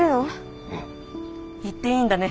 言っていいんだね。